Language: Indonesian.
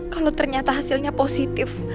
kalau ternyata hasilnya positif